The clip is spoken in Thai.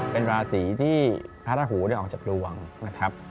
เป็นราศีที่พระราหูได้ออกจากดวงนะครับ